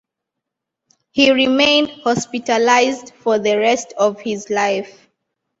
He remained hospitalized for the rest of his life.